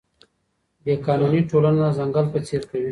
بې قانوني ټولنه د ځنګل په څېر کوي.